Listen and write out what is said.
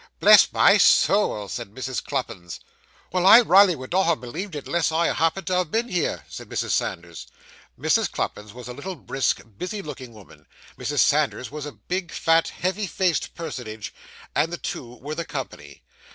'Bless my soul!' said Mrs. Cluppins. 'Well, I raly would not ha' believed it, unless I had ha' happened to ha' been here!' said Mrs. Sanders. Mrs. Cluppins was a little, brisk, busy looking woman; Mrs. Sanders was a big, fat, heavy faced personage; and the two were the company.